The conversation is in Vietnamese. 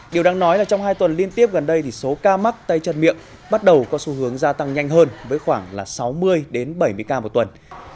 điều đáng nói là trong hai tuần liên tiếp gần đây thì số ca mắc tay chân miệng bắt đầu có xu hướng gia tăng nhanh hơn với khoảng sáu mươi bảy mươi ca một tuần